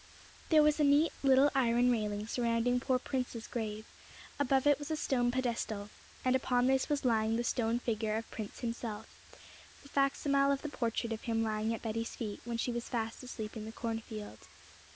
There was a neat little iron railing surrounding poor Prince's grave; above it was a stone pedestal, and upon this was lying the stone figure of Prince himself, the facsimile of the portrait of him lying at Betty's feet when she was fast asleep in the cornfield.